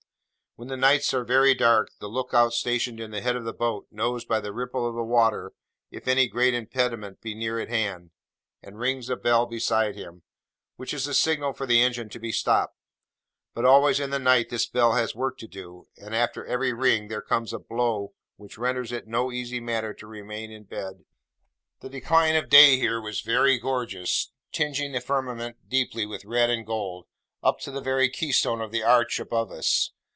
When the nights are very dark, the look out stationed in the head of the boat, knows by the ripple of the water if any great impediment be near at hand, and rings a bell beside him, which is the signal for the engine to be stopped: but always in the night this bell has work to do, and after every ring, there comes a blow which renders it no easy matter to remain in bed. The decline of day here was very gorgeous; tingeing the firmament deeply with red and gold, up to the very keystone of the arch above us.